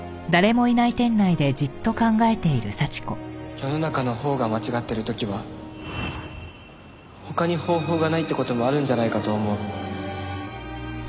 世の中のほうが間違ってる時は他に方法がないって事もあるんじゃないかと思う。